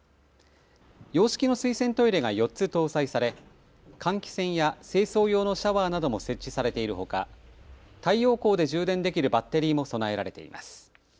洋式の水洗トイレが４つ搭載され換気扇や清掃用のシャワーなども設置されているほか、太陽光で充電できるバッテリーも備えられています。